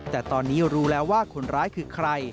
แต่ตอนนี้รู้แล้วว่าคนร้ายคือใคร